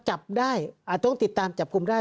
จับได้ต้องติดตามจับกลุ่มได้